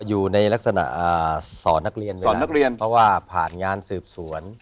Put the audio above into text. สอนนักเรียนเพราะว่าผ่านงานสืบสวน